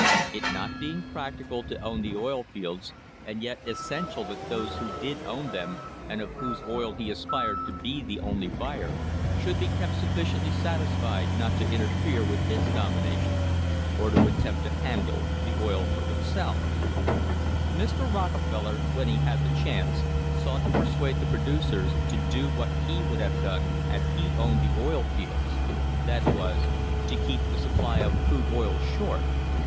It not being practical to own the oil fields, and yet essential that those who did own them, and of whose oil he aspired to be the only buyer, should be kept sufficiently satisfied not to interfere with his domination or to attempt to A MODERN WAR FOR INDEPENDENCE handle the oil for themselves, Mr. Rockefeller, whenever he had the chance, sought to persuade the producers to do what he would have done had he owned the oil fields that was, to keep the supply of crude oil short.